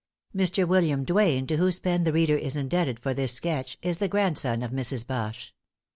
* Mr. William Duane, to whose pen the reader is indebted for this sketch is the grandson of Mrs. Bâche.